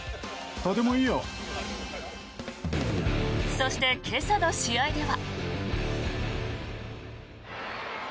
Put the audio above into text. そして、今朝の試合では。